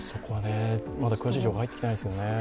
まだ詳しい情報は入ってきていないですけどね。